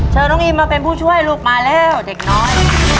น้องอิมมาเป็นผู้ช่วยลูกมาแล้วเด็กน้อย